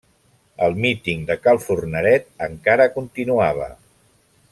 El míting de cal Forneret encara continuava.